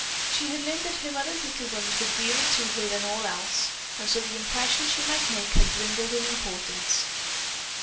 She had learned that her mother's little ones were dearer to her than all else, and so the impression she might make had dwindled in importance.